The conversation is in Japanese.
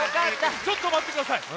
ちょっとまってください！